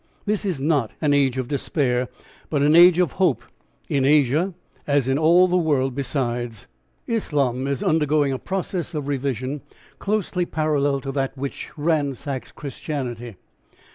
This is not an age of despair but an age of hope in Asia as in all the world besides. Islam is undergoing a process of revision closely parallel to that which ransacks Christianity.